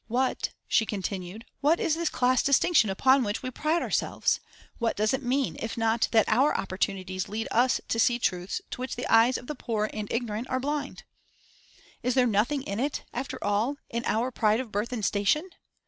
'What,' she continued 'what is this class distinction upon which we pride ourselves? What does it mean, if not that our opportunities lead us to see truths to which the eyes of the poor and ignorant are blind? Is there nothing in it, after all in our pride of birth and station?